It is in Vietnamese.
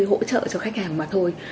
hỗ trợ cho khách hàng mà thôi